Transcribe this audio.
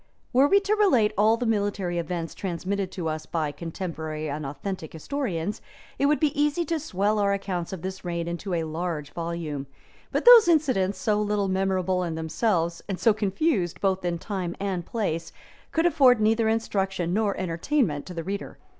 Were we to relate all the military events transmitted to us by contemporary and authentic historians, it would be easy to swell our accounts of this reign into a large volume; but those incidents, so little memorable in themselves, and so confused both in time and place, could afford neither instruction nor entertainment to the reader.